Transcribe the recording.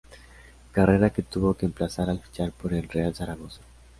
Carrera que tuvo que emplazar al fichar por el Real Zaragoza.